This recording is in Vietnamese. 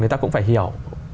người ta cũng phải hiểu